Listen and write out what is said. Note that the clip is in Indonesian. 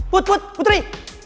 put put putri